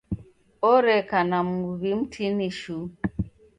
Oreka na muw'i mtini shuu.